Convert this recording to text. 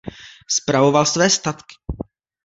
Spravoval své statky.